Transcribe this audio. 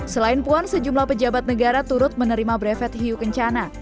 selain puan sejumlah pejabat negara turut menerima brevet hiu kencana